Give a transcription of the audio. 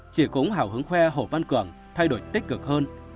chị cũng hào hứng khoe hồ văn cường thay đổi tích cực hơn